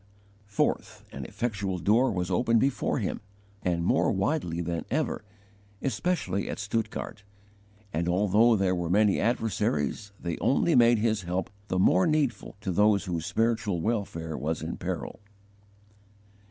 4. An effectual door was opened before him, and more widely than ever, especially at Stuttgart; and although there were many adversaries, they only made his help the more needful to those whose spiritual welfare was in peril.